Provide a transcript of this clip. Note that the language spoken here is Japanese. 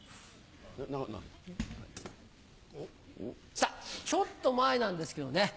さぁちょっと前なんですけどね